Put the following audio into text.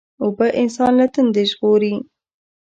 اوبه انسان له تندې ژغوري.